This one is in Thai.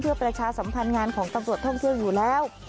เพื่อประชาสัมพันธ์งานของตำรวจท่องเที่ยวอยู่แล้ว